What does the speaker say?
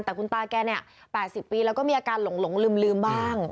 แต่คุณตาแกเนี่ย๘๐ปีแล้วก็มีอาการหลงลืมบ้าง